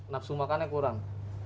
nafsu makannya kurang